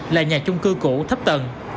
và nhà chung cư cũ thấp tầng